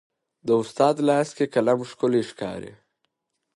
د استاد لاس کې قلم ښکلی ښکاري.